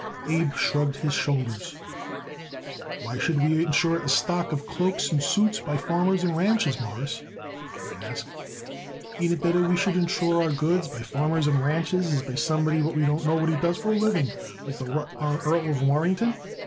Abe shrugged his shoulders. "Why should we insure it a stock of cloaks and suits by farmers and ranchers, Mawruss?" he asked. "Ain't it better we should insure our goods by farmers and ranchers as by somebody what we don't know what he does for a living, like the rutt honn Earl of Warrington?"